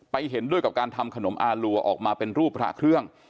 เห็นด้วยกับการทำขนมอารัวออกมาเป็นรูปพระเครื่อง